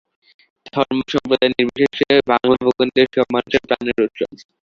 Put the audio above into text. ধর্ম সম্প্রদায়নির্বিশেষে বাংলা ভূখণ্ডের সব মানুষের প্রাণের উৎসব।